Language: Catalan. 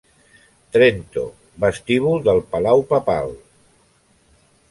Trento, vestíbul del palau papal.